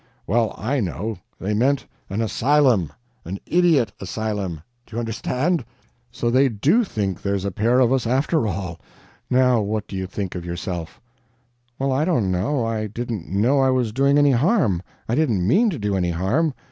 "Well I know. They meant an asylum an IDIOT asylum, do you understand? So they DO think there's a pair of us, after all. Now what do you think of yourself?" "Well, I don't know. I didn't know I was doing any harm; I didn't MEAN to do any harm.